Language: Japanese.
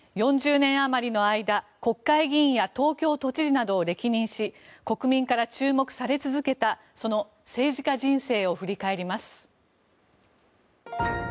４０年あまりの間、国会議員や東京都知事などを歴任し国民から注目され続けたその政治家人生を振り返ります。